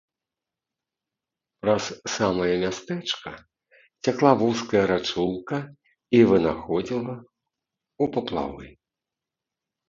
Праз самае мястэчка цякла вузкая рачулка і вынаходзіла ў паплавы.